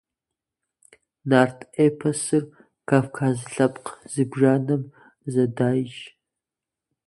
Нарт эпосыр кавказ лъэпкъ зыбжанэм зэдайщ.